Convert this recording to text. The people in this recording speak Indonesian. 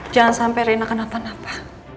jangan sampai rena kenapa napa